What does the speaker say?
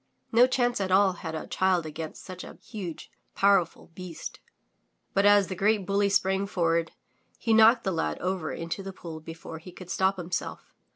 No chance at all had a child against such a huge, powerful beast. But as the great bully sprang forward, he knocked the lad over into the pool before he could stop himself.